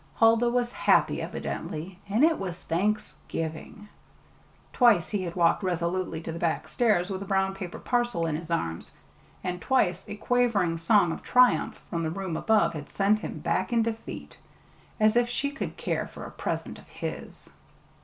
Huldah was happy, evidently and it was Thanksgiving! Twice he had walked resolutely to the back stairs with a brown paper parcel in his arms; and twice a quavering song of triumph from the room above had sent him back in defeat. As if she could care for a present of his!